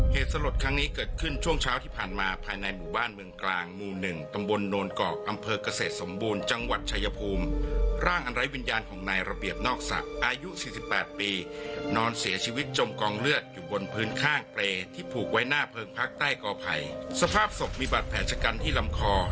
เหตุสลดครั้งนี้เกิดขึ้นช่วงเช้าที่ผ่านมาภายในหมู่บ้านเมืองกลางหมู่หนึ่งตำบลโนนกอกอำเภอกเกษตรสมบูรณ์จังหวัดชายภูมิร่างอันไร้วิญญาณของนายระเบียบนอกสระอายุสี่สิบแปดปีนอนเสียชีวิตจมกองเลือดอยู่บนพื้นข้างเปรย์ที่ผูกไว้หน้าเพิงพักใต้กอไผ่สภาพศพมีบาดแผลชะกันที่ลำคอ